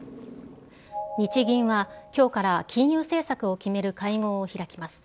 日銀はきょうから金融政策を決める会合を開きます。